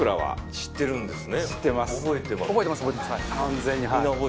知ってるんですね。